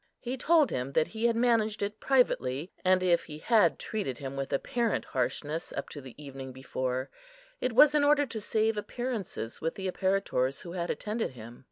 He told him that he had managed it privately, and if he had treated him with apparent harshness up to the evening before, it was in order to save appearances with the apparitors who had attended him.